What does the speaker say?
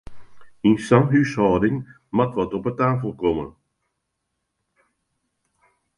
Yn sa'n húshâlding moat wat op 'e tafel komme!